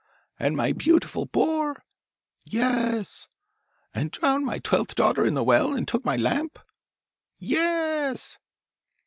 'And my beautiful boar?' 'Ye e s!' 'And drowned my twelfth daughter in the well, and took my lamp?' 'Ye e s!